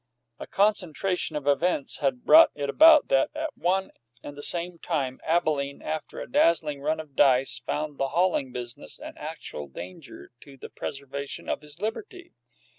A concentration of events had brought it about that, at one and the same time, Abalene, after a dazzling run of the dice, found the hauling business an actual danger to the preservation of his liberty.